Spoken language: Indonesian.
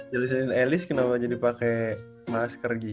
jalur jalurin elis kenapa jadi pakai masker gini